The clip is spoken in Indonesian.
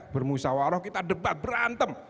bermusawaroh kita debat berantem